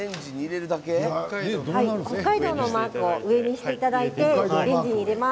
北海道のマークを上にしていただいてレンジに入れます。